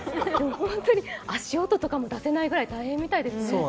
本当に足音とかも出せないぐらい、大変みたいですね。